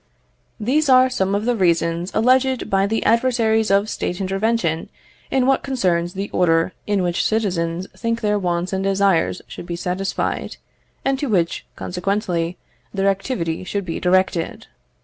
These are some of the reasons alleged by the adversaries of State intervention in what concerns the order in which citizens think their wants and desires should be satisfied, and to which, consequently, their activity should be directed.